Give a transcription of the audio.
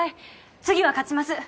次は勝ちます